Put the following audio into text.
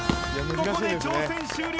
ここで挑戦終了。